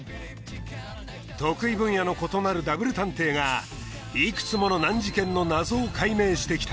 得意分野の異なるダブル探偵がいくつもの難事件の謎を解明してきた